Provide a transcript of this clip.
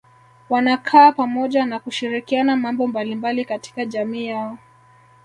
Wanakaa pamoja na kushirikiana mambo mbalimbali katika jamii yao